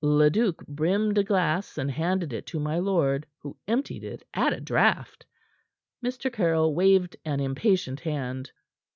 Leduc brimmed a glass, and handed it to my lord, who emptied it at a draught. Mr. Caryll waved an impatient hand.